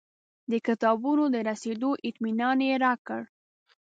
د کتابونو د رسېدو اطمنان یې راکړ.